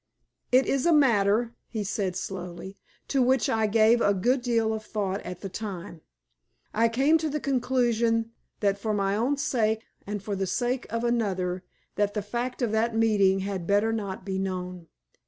"It is a matter," he said, slowly, "to which I gave a good deal of thought at the time. I came to the conclusion that for my own sake and for the sake of another that the fact of that meeting had better not be known.